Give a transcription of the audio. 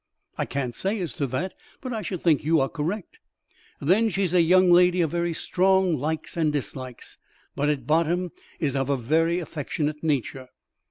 "I can't say as to that, but I should think you are correct." "Then she's a young lady of very strong likes and dislikes, but at bottom is of a very affectionate nature."